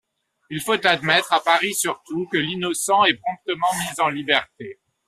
Il faut admettre, à Paris surtout, que l’innocent est promptement mis en liberté.